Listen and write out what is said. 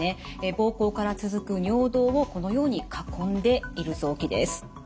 膀胱から続く尿道をこのように囲んでいる臓器です。